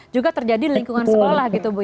juga terjadi di lingkungan sekolah